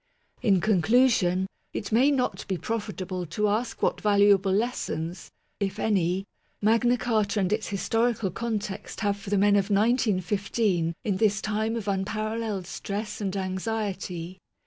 In conclusion, it may not be unprofitable to ask 22 MAGNA CARTA (1215 1915) what valuable lessons (if any) Magna Carta and its historical context have for the men of 1915 in this time of unparallelled stress and anxiety.